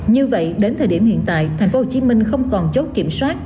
như vậy đến thời điểm hiện tại tp hcm không còn chốt kiểm soát